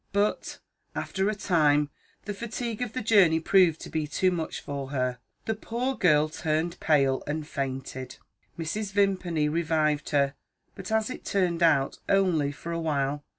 But, after a time, the fatigue of the journey proved to be too much for her. The poor girl turned pale and fainted. Mrs. Vimpany revived her, but as it turned out, only for a while.